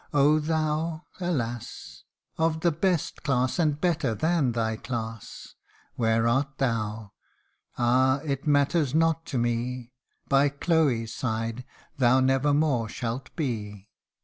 Oh ! thou, alas !" Of the best class, and better than thy class" Where art thou ? Ah ! it matters not to me ; By Chloe's side thou never more shalt be